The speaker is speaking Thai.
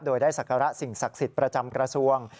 โดยได้ศักระสิ่งศักดิ์สิทธิ์ประจำกระทรวง